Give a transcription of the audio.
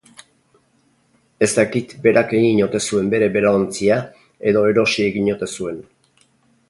Ez dakit berak egin ote zuen bere belaontzia edo erosi egin ote zuen.